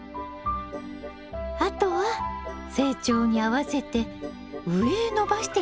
あとは成長に合わせて上へ伸ばしていけばいいわね。